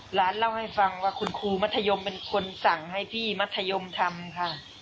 หลานเล่าให้ฟังว่าคุณครูมัธยมเป็นคนสั่งให้พี่มัธยมทำค่ะ